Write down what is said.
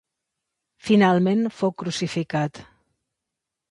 Finalment fou crucificat.